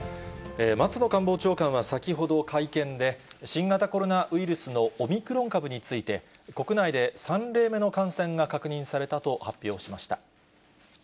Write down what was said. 松野官房長官は先ほど会見で、新型コロナウイルスのオミクロン株について、国内で３例目の感染が確認されたと発表しました。